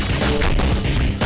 nggak akan ngediam nih